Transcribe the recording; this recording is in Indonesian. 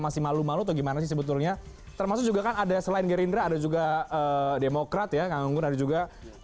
masih malu malu atau gimana sih sebetulnya termasuk juga kan ada selain gerindra ada juga demokrat ya kang gunggun ada juga